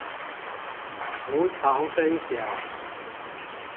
無償分享